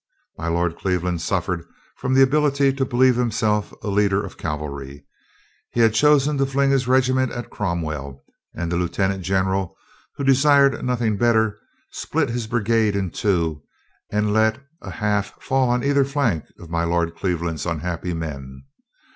My Lord Cleveland suffered from the ability to believe him self a leader of cavalr>^ He had chosen to fling his regiment at Cromwell, and the lieutenant general, who desired nothing better, split his brigade in two and let a half fall on either flank of my Lord Cleve land's unhappy men.